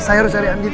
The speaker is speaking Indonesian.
saya harus cari andin